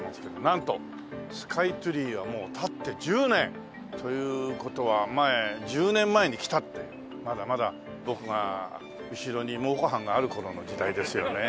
なんとスカイツリーはもう立って１０年！という事は１０年前に来たってまだまだ僕が後ろに蒙古斑がある頃の時代ですよね。